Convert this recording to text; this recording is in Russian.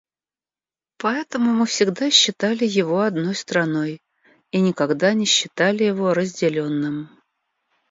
Поэтому мы всегда считали его одной страной и никогда не считали его разделенным.